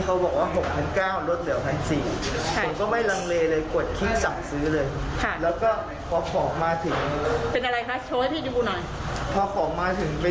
เฟียงเงินไปเท่าไหร่เหรอค่ะ